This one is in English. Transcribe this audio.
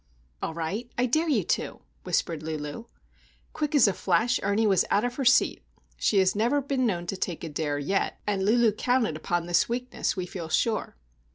"All right, I dare you to," whispered Lulu. Quick as a flash Ernie was out of her seat. She has never been known to take a dare, yet; and Lulu counted upon this weakness, we feel sure.